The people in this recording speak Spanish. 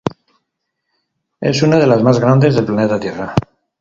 Es una de las más grandes del planeta Tierra.